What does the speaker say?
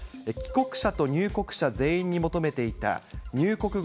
帰国者と入国者全員に求めていた入国